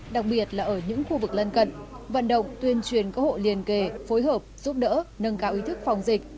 đặc biệt là ở những khu vực lân cận vận động tuyên truyền các hộ liên kề phối hợp giúp đỡ nâng cao ý thức phòng dịch